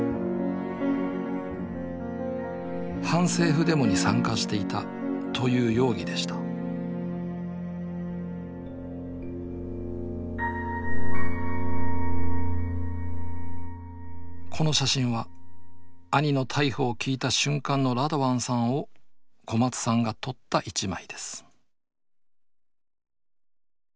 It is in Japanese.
反政府デモに参加していたという容疑でしたこの写真は兄の逮捕を聞いた瞬間のラドワンさんを小松さんが撮った一枚です